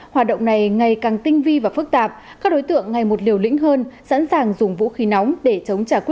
hoạt động này ngày càng tinh vi và phức tạp các đối tượng ngày một liều lĩnh hơn sẵn sàng dùng vũ khí nóng để chống trả quyết